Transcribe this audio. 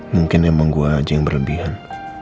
mungkin emang gue aja yang berlebihan